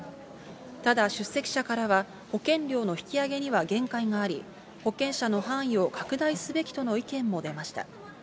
ただ、出席者からは、保険料の引き上げには限界があり、保険者の範囲を拡大すべきとの意見も出ました。